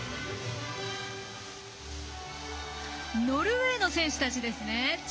ノルウェーの選手たちですね。